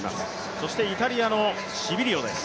そしてイタリアのシビリオです。